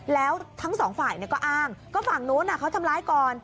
แล้วทั้งสองฝ่ายก็อ้างก็ฝั่งนู้นเขาทำร้ายก่อน